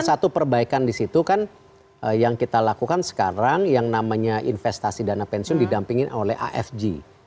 satu perbaikan di situ kan yang kita lakukan sekarang yang namanya investasi dana pensiun didampingin oleh afg